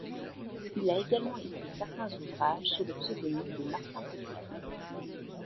Il a également écrit certains ouvrages sous le pseudonyme de Martin Petitclerc.